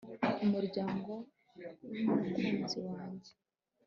Umuryango wumukunzi wanjye